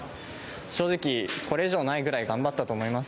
正直、これ以上ないくらい頑張ったと思います。